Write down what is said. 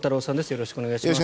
よろしくお願いします。